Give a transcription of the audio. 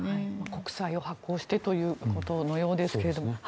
国債を発行してということのようですけども。